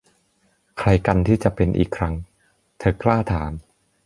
'ใครกันที่จะเป็นอีกครั้ง ?' เธอกล้าถาม